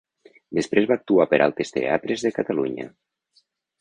Després va actuar per altres teatres de Catalunya.